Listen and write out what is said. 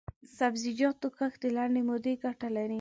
د سبزیجاتو کښت د لنډې مودې ګټه لري.